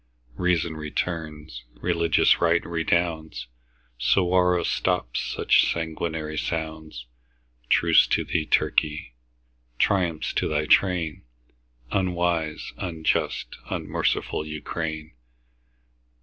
Reason returns, religious right redounds, Suwarrow stops such sanguinary sounds. Truce to thee, Turkey! Triumph to thy train, Unwise, unjust, unmerciful Ukraine!